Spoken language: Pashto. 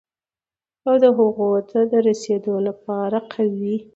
او د هغو ته د رسېدو لپاره قوي،